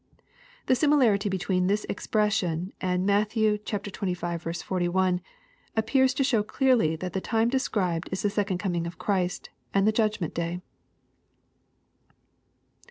] The similarity between this expression and Matt. xxv. 41, appears to show clearly that the time described is the second coming of Christ, and the judgment day.